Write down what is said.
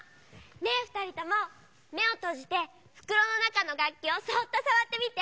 ねえふたりともめをとじてふくろのなかのがっきをそっとさわってみて！